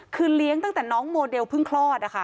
คือเลี้ยงตั้งแต่น้องโมเดลเพิ่งคลอดนะคะ